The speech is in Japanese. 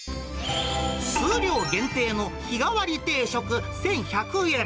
数量限定の日替わり定食１１００円。